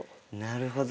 なるほど。